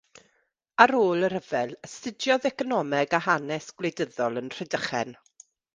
Ar ôl y rhyfel, astudiodd economeg a hanes gwleidyddol yn Rhydychen.